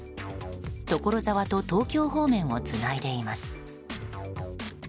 所沢と東京方面をつないでいます。